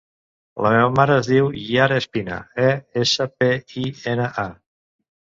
La meva mare es diu Yara Espina: e, essa, pe, i, ena, a.